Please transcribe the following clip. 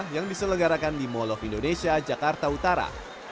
yang diselenggarakan di mal of indonesia jakarta utara